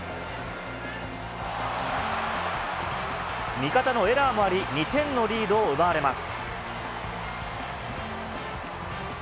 味方のエラーもあり、２点のリードを奪われます。